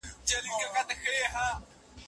د مال او دولت په اړه مغروره مه کېږئ.